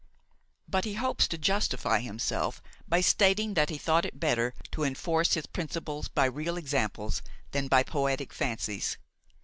But he hopes to justify himself by stating that he thought it better to enforce his principles by real examples than by poetic fancies.